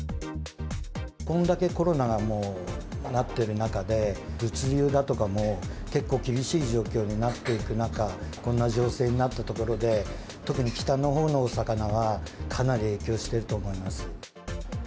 こんだけコロナがもうなってる中で、物流だとかも結構厳しい状況になっていく中、こんな情勢になったところで、特に北のほうのお魚は、かなり影響していると思います。